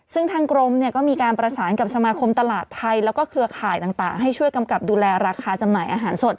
ซึ่งทางกรมเนี่ยก็มีการประสานกับสมาคมตลาดไทยแล้วก็เครือข่ายต่างให้ช่วยกำกับดูแลราคาจำหน่ายอาหารสด